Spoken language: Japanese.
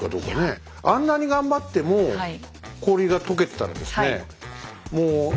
あんなに頑張っても氷が解けてたらですね